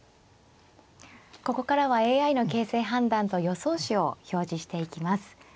ここからはＡＩの形勢判断と予想手を表示していきます。